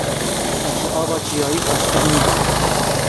Ev ji ava çiyayî xweştir nîne.